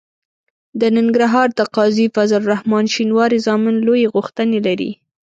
د ننګرهار د قاضي فضل الرحمن شینواري زامن لویې غوښتنې لري.